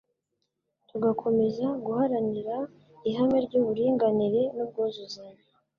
tugakomeza guharanira ihame ry'uburinganire n'ubwuzuzanye